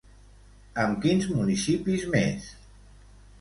Amb quins municipis més?